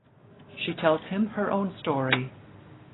She tells him her own story.